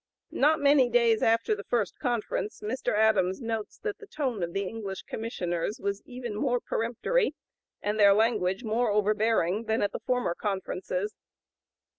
Not many days after the first conference Mr. Adams notes that the tone of the English Commissioners was even "more peremptory, and their language more overbearing, than at the former conferences."